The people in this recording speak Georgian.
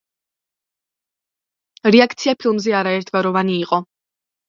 რეაქცია ფილმზე არაერთგვაროვანი იყო.